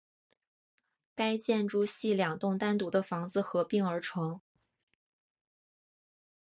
该建筑系两栋单独的房子合并而成。